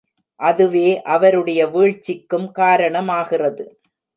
அதுவே அவருடைய வீழ்ச்சிக்கும் காரணமாகிறது.